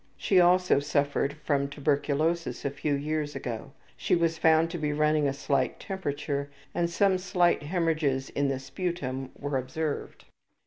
She also suffered from tuberculosis a few years ago. (She was found to be running a slight temperature, and some slight hemorrhages in the sputum were observed.)